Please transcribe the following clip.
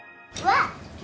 わっ。